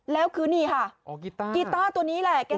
แล้วคือนี่ค่ะกีต้าตัวนี้แหละ